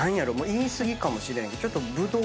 言い過ぎかもしれんけど。